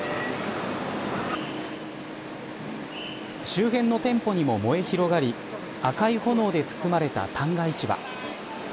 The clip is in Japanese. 周辺の店舗にも燃え広がり赤い炎で包まれた旦過市場。